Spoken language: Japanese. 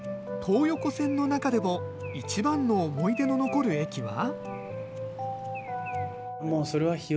東横線の中でも一番の思い出の残る駅は。